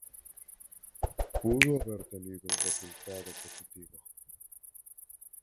Pudo haber tenido un resultado positivo.